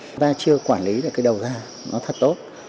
chúng ta chưa quản lý được cái đầu ra nó thật tốt